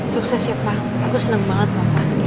sukses ya pak